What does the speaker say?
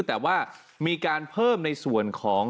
แต่ว่ามีการเพิ่มในส่วนของ